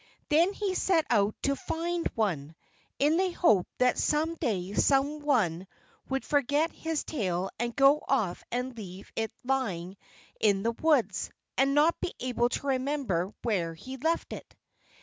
Then he set out to find one, in the hope that some day some one would forget his tail and go off and leave it lying in the woods, and not be able to remember where he left it.